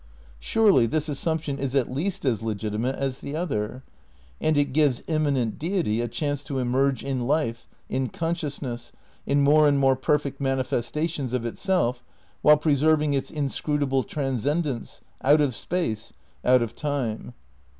Surely, this as sumption is at least as legitimate as the other, and it gives immanent Deity a chance to emerge in life, in consciousness, in more and more perfect manifestations of itself, while preserving its inscrutable transcendence, out of Space, out of Time.